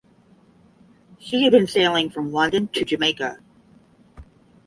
She had been sailing from London to Jamaica.